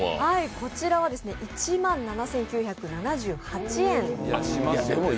こちらは１万７９７８円。